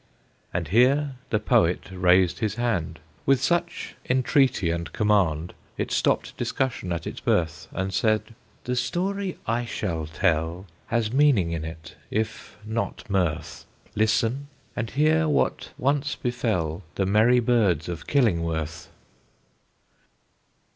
And here the Poet raised his hand, With such entreaty and command, It stopped discussion at its birth, And said: "The story I shall tell Has meaning in it, if not mirth; Listen, and hear what once befell The merry birds of Killingworth!"